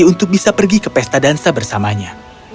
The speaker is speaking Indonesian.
untuk bisa pergi ke pesta dansa bersamanya